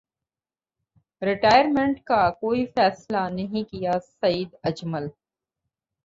retire minute کا کوئی فیصلہ نہیں کیاسعید اجمل